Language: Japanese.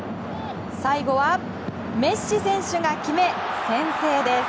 最後は、メッシ選手が決め先制です。